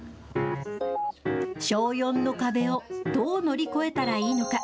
小４の壁をどう乗り越えたらいいのか。